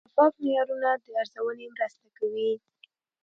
شفاف معیارونه د ارزونې مرسته کوي.